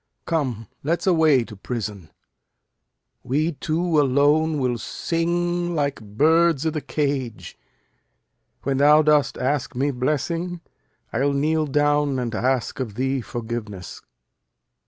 Come, let's away to prison. We two alone will sing like birds i' th' cage. When thou dost ask me blessing, I'll kneel down And ask of thee forgiveness.